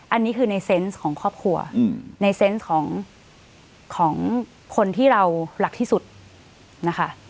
อันนี้คือในเซนต์ของครอบครัวในเซนต์ของคนที่เรารักที่สุดนะคะ